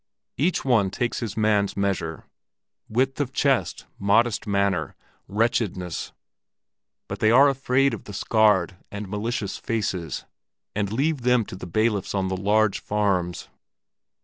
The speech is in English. Each one takes his man's measure—width of chest, modest manner, wretchedness; but they are afraid of the scarred and malicious faces, and leave them to the bailiffs on the large farms.